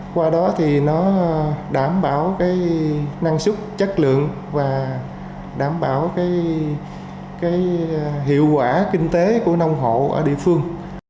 qua đó thì nó đảm bảo năng sức chất lượng và đảm bảo hiệu quả kinh tế của nông hộ ở địa phương